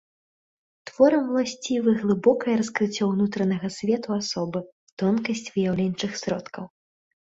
Творам уласцівы глыбокае раскрыццё ўнутранага свету асобы, тонкасць выяўленчых сродкаў.